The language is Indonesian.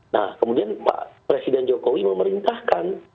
nah kemudian pak presiden jokowi memerintahkan